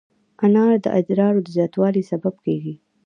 انار د ادرار د زیاتوالي سبب کېږي.